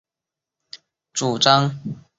今天匈牙利境内只有少数人还有这样的主张。